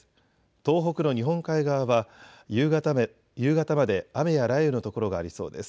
東北の日本海側は夕方まで雨や雷雨の所がありそうです。